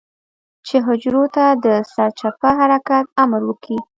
چې حجرو ته د سرچپه حرکت امر وکي.